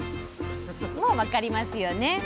もう分かりますよね？